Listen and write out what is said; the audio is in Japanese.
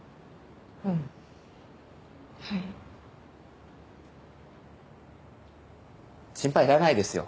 うんはい心配いらないですよ